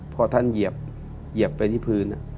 พอท่านเหยียบไปที่พื้น